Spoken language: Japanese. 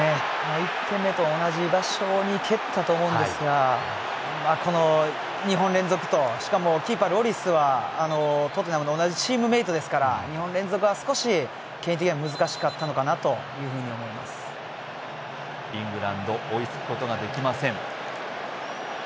１点目と同じ場所に蹴ったと思うんですがこの２本連続としかもキーパー、ロリスはトッテナムで同じチームメイトですから２本連続は少しケインは難しかったのかなイングランド追いつくことができません。